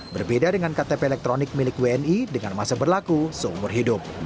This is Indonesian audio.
berbeda dengan ktp elektronik milik wni dengan masa berlaku seumur hidup